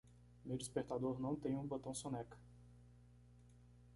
Meu despertador não tem um botão soneca.